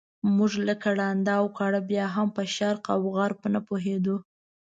موږ لکه ړانده او کاڼه بیا هم په شرق او غرب نه پوهېدو.